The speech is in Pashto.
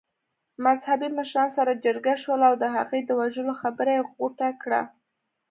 مذهبي مشران سره جرګه شول او د هغې د وژلو خبره يې غوټه کړه.